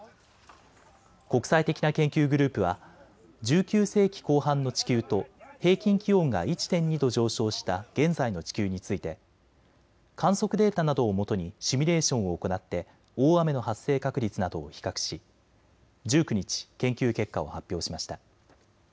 国際的な研究グループは１９世紀後半の地球と平均気温が１．２度上昇した現在の地球について観測データなどをもとにシミュレーションを行って大雨の発生確率などを比較し１９日、研究結果を発表しました。